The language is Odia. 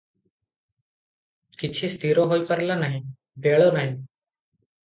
କିଛି ସ୍ଥିର ହୋଇପାରିଲା ନାହିଁ, ବେଳ ନାହିଁ ।